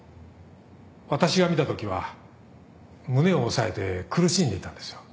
私が見たときは胸を押さえて苦しんでいたんですよ。